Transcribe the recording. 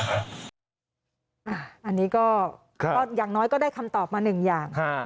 อันนี้ก็อย่างน้อยก็ได้คำตอบมาหนึ่งอย่าง